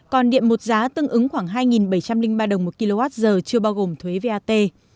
còn điện một giá tương ứng khoảng hai bảy trăm linh ba đồng một kwh chưa bao gồm thuế vat